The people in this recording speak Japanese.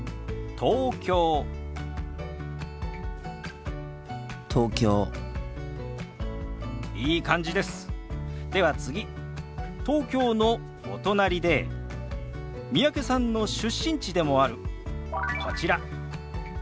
東京のお隣で三宅さんの出身地でもあるこちら。